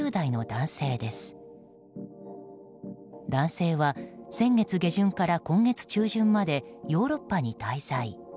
男性は先月下旬から今月中旬までヨーロッパに滞在。